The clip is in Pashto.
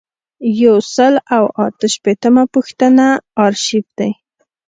یو سل او اته شپیتمه پوښتنه آرشیف دی.